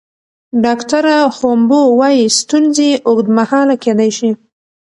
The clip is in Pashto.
ډاکټره هومبو وايي ستونزې اوږدمهاله کیدی شي.